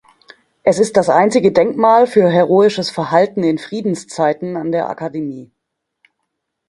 Es ist das einzige Denkmal für heroisches Verhalten in Friedenszeiten an der Akademie.